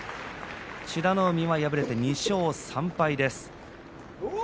美ノ海は敗れて２勝３敗です。